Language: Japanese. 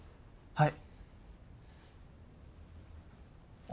はい。